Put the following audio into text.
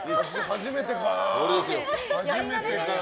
初めてかな？